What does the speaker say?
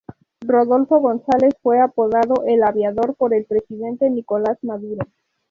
Rodolfo González fue apodado El Aviador por el presidente Nicolás Maduro.